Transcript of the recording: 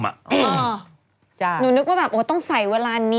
หนูนึกว่าแบบต้องใส่เวลานี้